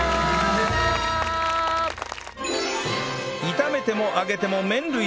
炒めても揚げても麺類でも